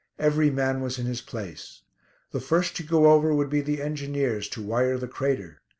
Every man was in his place. The first to go over would be the engineers, to wire the crater.